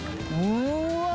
うわ